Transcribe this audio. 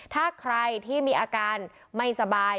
ถ้าใครที่มีอาการไม่สบาย